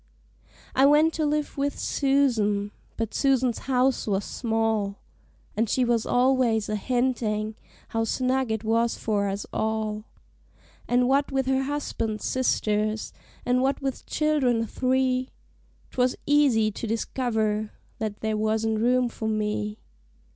I went to live with Susan, but Susan's house was small, And she was always a hintin' how snug it was for us all; And what with her husband's sisters, and what with child'rn three, 'Twas easy to discover that there wasn't room for me.